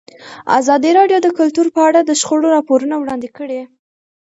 ازادي راډیو د کلتور په اړه د شخړو راپورونه وړاندې کړي.